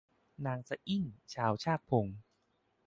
นางสะอิ้งชาวชากพง